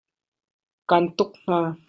Kaan tuk hna.